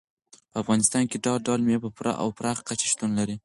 په افغانستان کې ډول ډول مېوې په پوره او پراخه کچه شتون لري.